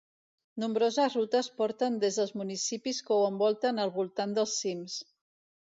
Nombroses rutes porten des dels municipis que ho envolten al voltant dels cims.